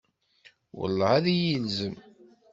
Welleh, ad iyi-ilzem!